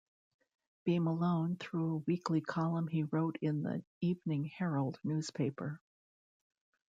B. Malone through a weekly column he wrote in the "Evening Herald" newspaper.